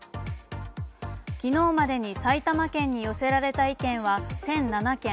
昨日までに埼玉県に寄せられた意見は１００７件。